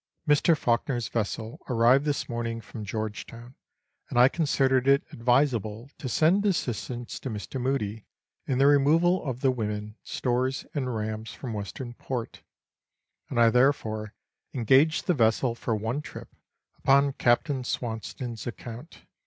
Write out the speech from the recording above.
Mr. Fawkner's vessel arrived this morning from George Town, and I considered it advisable to send assistance to Mr. Mudie in the removal of the women, stores, and rams from Western Port, and I therefore engaged the vessel for one trip, upon Captain Swanston's account.